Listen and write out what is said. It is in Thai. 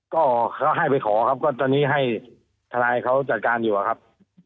ก็เขาให้ไปขอครับก็ตอนนี้ให้ทนายเขาจัดการอยู่อะครับ